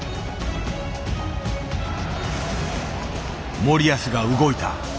森保が動いた。